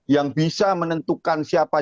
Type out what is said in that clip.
yang bisa menentukan siapa